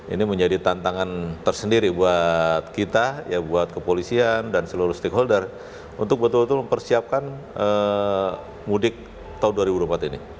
ini menjadi tantangan tersendiri buat kita ya buat kepolisian dan seluruh stakeholder untuk betul betul mempersiapkan mudik tahun dua ribu dua puluh empat ini